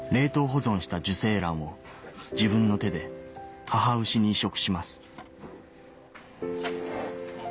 保存した受精卵を自分の手で母牛に移植します